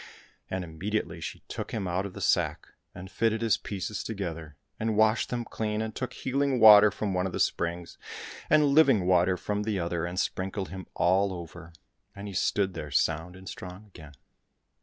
And immediately she took him out of the sack, and fitted his pieces together, and washed them clean, and took healing water from one of the springs, and living water from the other, and sprinkled him all over, and he stood there sound and strong again.